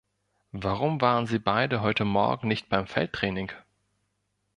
Warum waren Sie beide heute Morgen nicht beim Feldtraining?